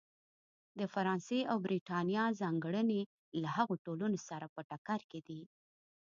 د فرانسې او برېټانیا ځانګړنې له هغو ټولنو سره په ټکر کې دي.